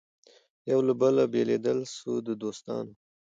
یو له بله بېلېدل سوه د دوستانو